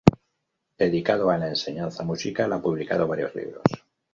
Dedicado a la enseñanza musical, ha publicado varios libros.